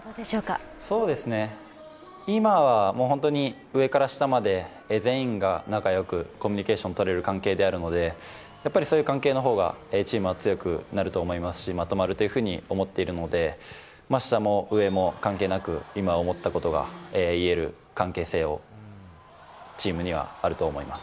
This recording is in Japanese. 今は本当に上から下まで全員が仲よくコミュニケーションとれる関係であるので、そういう関係の方がチームは強くなると思いますしまとまるというふうに思っているので、下も上も関係なく、今思ったことが言える関係性がチームにはあると思います。